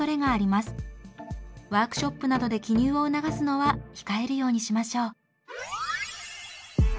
ワークショップなどで記入を促すのは控えるようにしましょう。